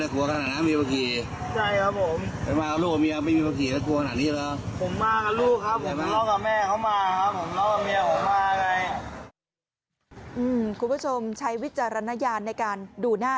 คุณผู้ชมใช้วิจารณญาณในการดูหน้า